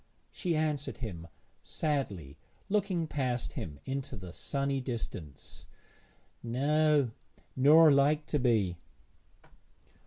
She answered him sadly, looking past him into the sunny distance 'No, nor like to be.'